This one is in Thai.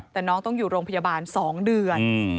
แต่น้องต้องอยู่โรงพยาบาล๒เดือน